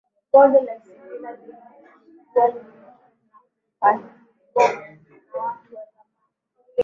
bonde la isimila lilikuwa linakwaliwa na watu wa zamani